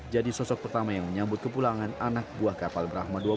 jadi sosok pertama yang menyambut kepulangan anak buah kapal brahma